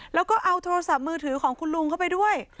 แล้วก็เอาโทรศัพท์มือถือของคุณลุงเข้าไปด้วย